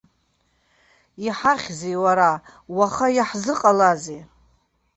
Иҳахьзеи, уара, уаха, иаҳзыҟалазеи?